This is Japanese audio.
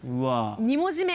２文字目。